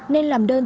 nên làm đơn chị thu